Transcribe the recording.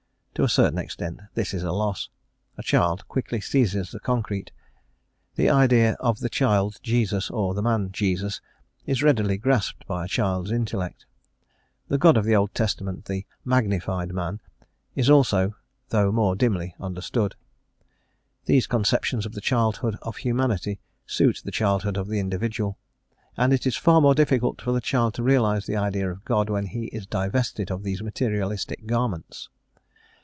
To a certain extent this is a loss. A child quickly seizes the concrete; the idea of the child Jesus or the man Jesus is readily grasped by a child's intellect; the God of the Old Testament, the "magnified man," is also, though more dimly, understood. These conceptions of the childhood of humanity suit the childhood of the individual, and it is far more difficult for the child to realize the idea of God when he is divested of these materialistic garments.